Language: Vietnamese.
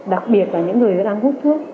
đặc biệt là những người đang hút thuốc